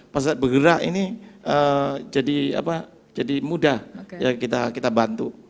fasilitas bergerak ini jadi mudah kita bantu